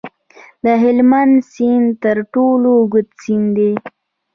د هلمند سیند تر ټولو اوږد سیند دی